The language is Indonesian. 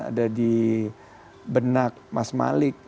ada di benak mas malik